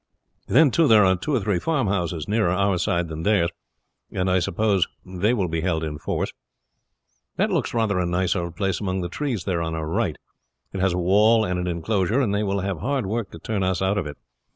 Then, too, there are two or three farmhouses nearer our side than theirs, and I suppose they will be held in force. "That looks rather a nice old place among the trees there on our right. It has a wall and inclosure, and they will have hard work to turn us out of it.